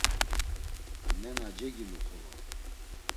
“Nena cegilu xolo…”